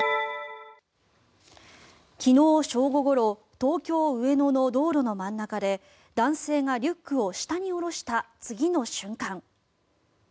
昨日正午ごろ東京・上野の道路の真ん中で男性がリュックを下に下した次の瞬間。